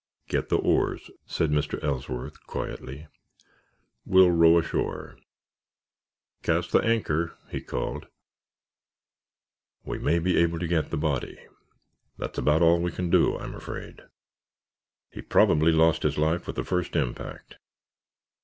"Get the oars," said Mr. Ellsworth, quietly. "We'll row ashore. Cast the anchor," he called. "We may be able to get the body. That's about all we can do, I'm afraid. He probably lost his life with the first impact.